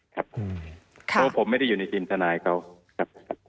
เพราะผมไม่ได้อยู่ในทีมทนายเขา